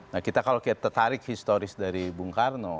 nah kita kalau kita tertarik historis dari bung karno